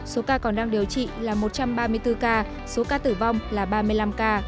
số ca còn đang điều trị là một trăm ba mươi bốn ca số ca tử vong là ba mươi năm ca